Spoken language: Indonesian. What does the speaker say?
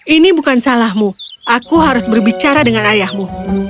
ini bukan salahmu aku harus berbicara dengan ayahmu